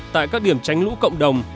tại các điểm tránh lũ cộng đồng